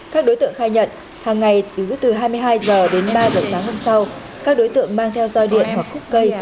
các đối tượng khai nhận hàng ngày cứ từ hai mươi hai h đến ba h sáng hôm sau các đối tượng mang theo roi điện hoặc khúc cây